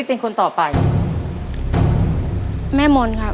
เร็วเร็วเร็ว